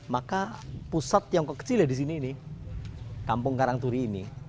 maka pusat tiongkok kecil ya di sini ini kampung karangturi ini